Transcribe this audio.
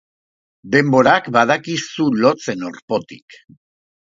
Denborak badaki zu lotzen orpotik.